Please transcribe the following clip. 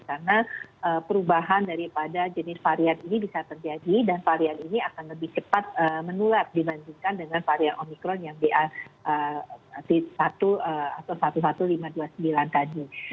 karena perubahan daripada jenis varian ini bisa terjadi dan varian ini akan lebih cepat menular dibandingkan dengan varian omikron yang ba satu atau sebelas ribu lima ratus dua puluh sembilan